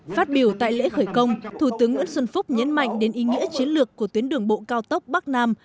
phát biểu tại lễ khởi công thủ tướng nguyễn xuân phúc nhấn mạnh đến ý nghĩa chiến lược của tuyến đường bộ cao tốc bắc nam